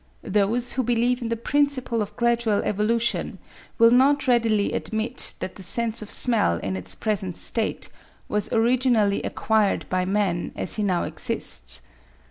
Those who believe in the principle of gradual evolution, will not readily admit that the sense of smell in its present state was originally acquired by man, as he now exists.